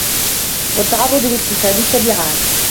وَالتَّعَرُّضِ لِاكْتِسَابِ التَّبِعَاتِ